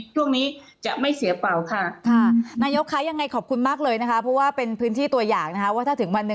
ช่วงนี้จะไม่เสียเป่าค่ะนายกคะยังไงขอบคุณมากเลยนะคะเพราะว่าเป็นพื้นที่ตัวอย่างนะคะว่าถ้าถึงวันหนึ่ง